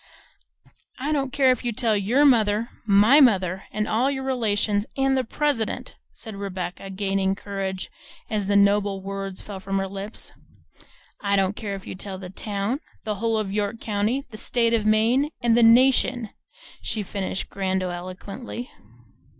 "I don't care if you tell your mother, my mother, and all your relations, and the president," said Rebecca, gaining courage as the noble words fell from her lips. "I don't care if you tell the town, the whole of York county, the state of Maine and and the nation!" she finished grandiloquently.